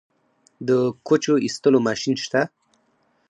د کوچو ایستلو ماشین شته؟